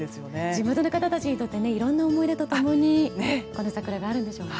地元の方たちにとっていろんな思い出と共にこの桜があるんでしょうね。